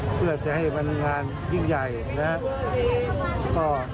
เพื่อจะให้มันงานยิ่งใหญ่นะครับ